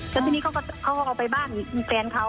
แล้วทีนี้เขาก็เอาไปบ้านแฟนเขา